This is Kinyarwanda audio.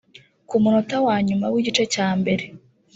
Ku munota wa nyuma w’igice cya mbere